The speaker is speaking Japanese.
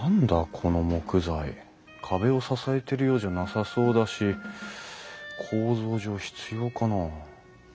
この木材壁を支えてるようじゃなさそうだし構造上必要かな？